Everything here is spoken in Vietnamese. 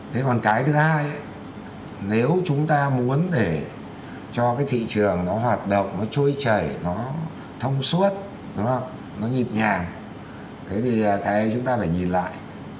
thế còn cái thứ hai nếu chúng ta muốn để cho cái thị trường nó hoạt động nó trôi chảy nó thông suốt nó nhịp nhàng thế thì cái chúng ta phải nhìn lại